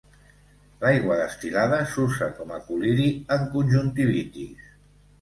L'aigua destil·lada s'usa com a col·liri en conjuntivitis.